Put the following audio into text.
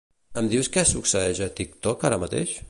Em dius què succeeix a TikTok ara mateix?